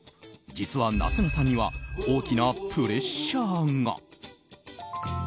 実は、夏菜さんには大きなプレッシャーが。